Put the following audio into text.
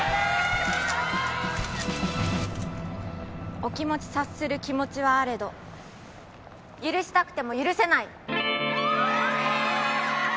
お気持ち察する気持ちはあれど許したくても許せない！